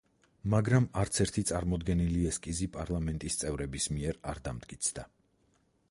მაგრამ არცერთი წარმოდგენილი ესკიზი პარლამენტის წევრების მიერ არ დამტკიცდა.